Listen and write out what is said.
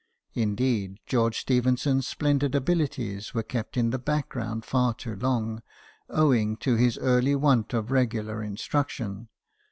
Indeed, George Stephenson's splendid abilities were kept: in the background far too long, owing to his early want of regular instruction.